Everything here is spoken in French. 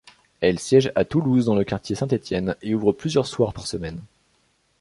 Elle siège à Toulouse dans le quartier Saint-Étienne et ouvre plusieurs soirs par semaine.